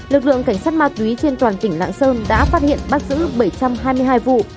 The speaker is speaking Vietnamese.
lực lượng cảnh sát ma túy trên toàn tỉnh lạng sơn đã phát hiện bắt giữ bảy trăm hai mươi hai vụ